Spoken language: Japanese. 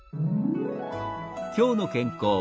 「きょうの健康」